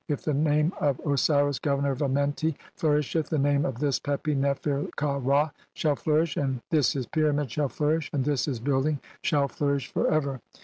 If the name of "Osiris, Governor of Amenti, flourisheth, the name of "this Pepi Nefer ka Ra shall flourish, and this his pyra "mid shall flourish, and this his building shall flourish for "ever.